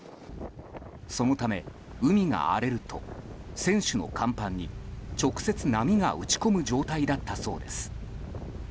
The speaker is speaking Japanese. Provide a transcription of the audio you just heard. そのため、海が荒れると船首の甲板に直接、波が打ち込む状態だったそうです。